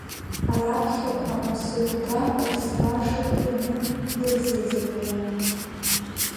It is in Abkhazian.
Раԥхьақәа Мсыгәда ус баша дтәаны дырзыӡырҩуан.